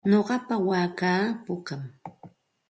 Nuqapa waakaa pukam.